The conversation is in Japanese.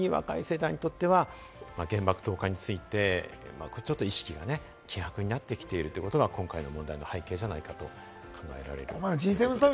ですから特に若い世代にとっては、原爆投下について意識が希薄になってきているということが今回の問題の背景ではないかと考えられるということですね。